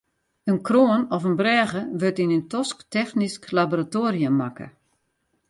In kroan of in brêge wurdt yn in tosktechnysk laboratoarium makke.